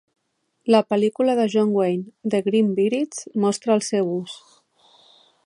La pel.lícula de John Wayne "The Green Berets" mostra el seu ús.